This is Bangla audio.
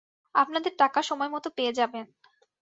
আপনাদের টাকা সময়মতো পেয়ে যাবেন।